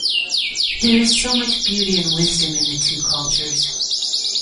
There is so much beauty and wisdom in the two cultures.